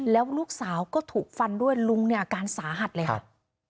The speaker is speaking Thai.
แล้วลูกสาวก็ถูกฟันด้วยลุงเนี่ยอาการสาหัสเลยค่ะ